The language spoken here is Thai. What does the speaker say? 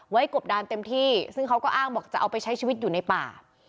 กบดานเต็มที่ซึ่งเขาก็อ้างบอกจะเอาไปใช้ชีวิตอยู่ในป่า